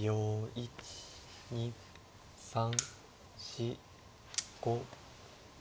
１２３４５。